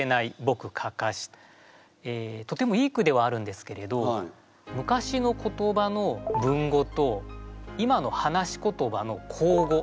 とてもいい句ではあるんですけれど昔の言葉の文語と今の話し言葉の口語。